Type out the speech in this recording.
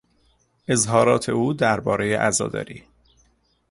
اظهارات او دربارهی عزاداری